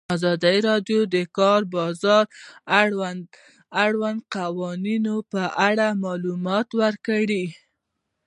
ازادي راډیو د د کار بازار د اړونده قوانینو په اړه معلومات ورکړي.